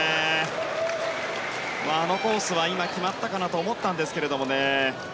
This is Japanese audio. あのコースは今、決まったかなと思ったんですけれどもね。